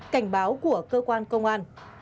hai cảnh báo của cơ quan công an